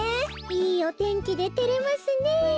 いいおてんきでてれますねえ。